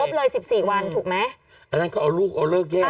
กล้องกว้างอย่างเดียว